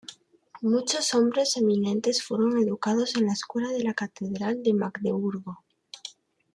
Muchos hombres eminentes fueron educados en la escuela de la catedral de Magdeburgo.